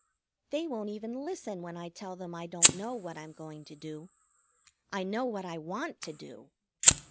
They won't even listen when I tell them I don't know what I'm going to do. I know what I want to do!